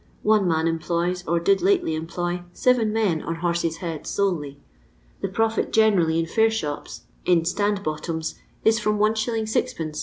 One man employs, or did lately emplo} , seven men on 'horses' heads' solely. The profit generally, in fair shops, in 'stand bottoms,' if from Is. 6ci.